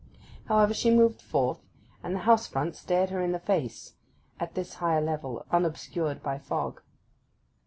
However, she moved forth, and the house front stared her in the face, at this higher level unobscured by fog.